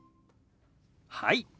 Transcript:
はい。